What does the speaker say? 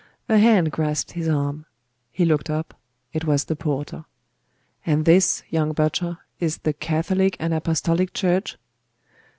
A hand grasped his arm; he looked up; it was the porter. 'And this, young butcher, is the Catholic and apostolic Church?